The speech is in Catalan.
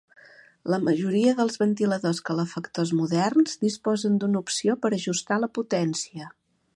La majoria dels ventiladors calefactors moderns disposen d'una opció per ajustar la potència.